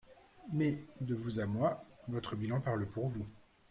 Mais, de vous à moi, votre bilan parle pour vous.